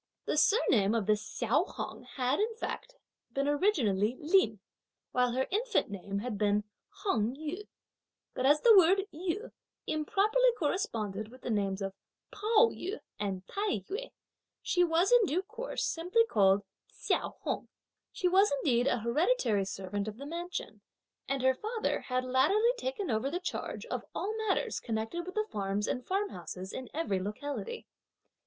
The surname of this Hsiao Hung had, in fact, been originally Lin, while her infant name had been Hung Yü; but as the word Yü improperly corresponded with the names of Pao yü and Tai yü, she was, in due course, simply called Hsiao Hung. She was indeed an hereditary servant of the mansion; and her father had latterly taken over the charge of all matters connected with the farms and farmhouses in every locality.